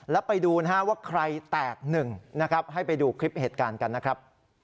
แล้วไปดูนะฮะว่าใครแตกหนึ่งนะครับให้ไปดูคลิปเหตุการณ์กันนะครับ